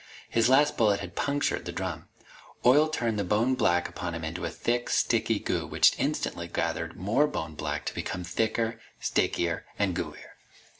His last bullet had punctured the drum. Oil turned the bone black upon him into a thick, sticky goo which instantly gathered more bone black to become thicker, stickier, and gooier.